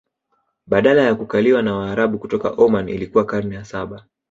Baada ya kukaliwa na waarabu kutoka Oman Ilikuwa karne ya Saba